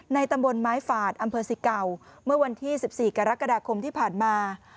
ตำบลไม้ฝาดอำเภอสิเก่าเมื่อวันที่๑๔กรกฎาคมที่ผ่านมา